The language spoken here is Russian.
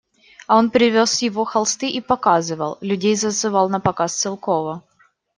А он привез его холсты и показывал, людей зазывал на показ Целкова.